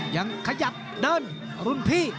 ยังขยับเดินรุ่นพี่